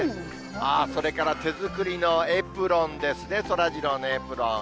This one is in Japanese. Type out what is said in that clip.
それから手作りのエプロンですね、そらジローのエプロン。